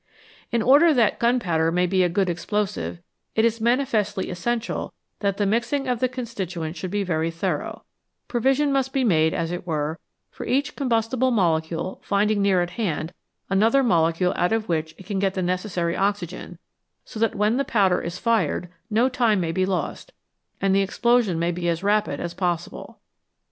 In order that gunpowder may be a good explosive it is manifestly essential that the mixing of the constituents should be very thorough ; provision must be made, as it were, for each combustible molecule finding near at hand another molecule out of which it can get the necessary oxygen, so that when the powder is fired no time may be lost, and the explosion may be as rapid as possible.